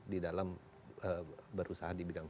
di dalam berusaha di bidang